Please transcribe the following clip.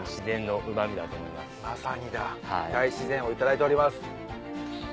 まさにだ大自然をいただいております。